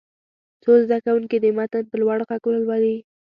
څو زده کوونکي دې متن په لوړ غږ ولولي.